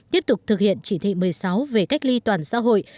tiếp tục thực hiện chỉ thị một mươi sáu về cách ly toàn xã hội